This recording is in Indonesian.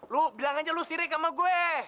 lu bilang aja lu sirik sama gue